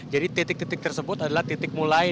jadi titik titik tersebut adalah titik mulai